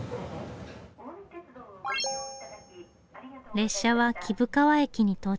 列車は貴生川駅に到着。